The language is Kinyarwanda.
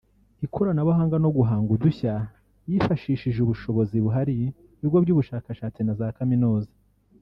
ikoranabuhanga no guhanga udushya yifashishije ubushobozi buhari mu bigo by’ubushakashatsi na za kaminuza